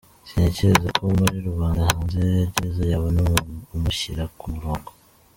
Sintekereza ko muri rubanda hanze yagereza yabona umuntu umushyira ku murongo.